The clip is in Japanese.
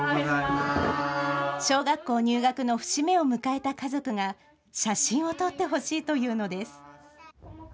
小学校入学の節目を迎えた家族が写真を撮ってほしいというのです。